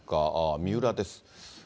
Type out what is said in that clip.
三浦です。